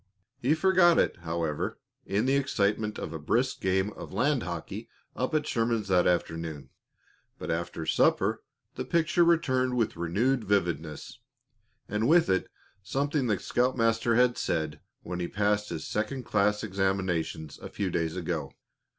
He forgot it, however, in the excitement of a brisk game of land hockey up at Sherman's that afternoon, but after supper the picture returned with renewed vividness, and with it something the scoutmaster had said when he passed his second class examinations a few days ago.